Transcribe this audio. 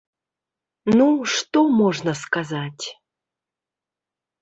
Ну, што можна сказаць?